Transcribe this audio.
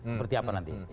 seperti apa nanti